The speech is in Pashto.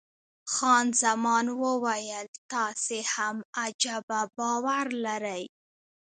خان زمان وویل، تاسې هم عجبه باور لرئ.